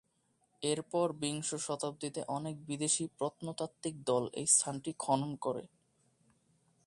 এরপর বিংশ শতাব্দীতে অনেক বিদেশী প্রত্নতাত্ত্বিক দল এই স্থানটি খনন করে।